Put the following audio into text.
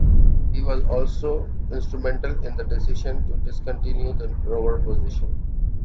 He was also instrumental in the decision to discontinue the rover position.